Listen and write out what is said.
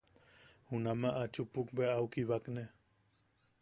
Junamaʼa a chupuk bea, au kibakne.